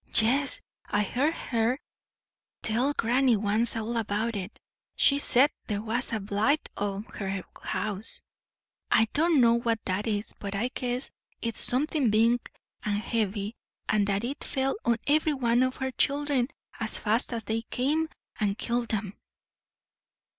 "Yes, I heard her tell granny once all about it. She said there was a blight on her house I don't know what that is; but I guess it's something big and heavy and that it fell on every one of her children, as fast as they came, and killed 'em."